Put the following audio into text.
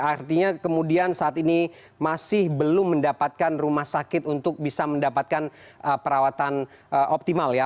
artinya kemudian saat ini masih belum mendapatkan rumah sakit untuk bisa mendapatkan perawatan optimal ya